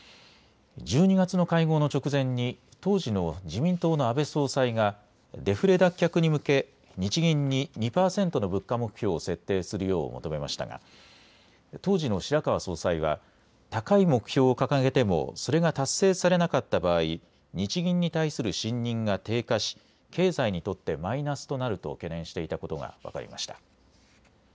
１２月の会合の直前に当時の自民党の安倍総裁がデフレ脱却に向け日銀に２％の物価目標を設定するよう求めましたが当時の白川総裁は高い目標を掲げてもそれが達成されなかった場合、日銀に対する信認が低下し経済にとってマイナスとなると懸念していたことが分かりました。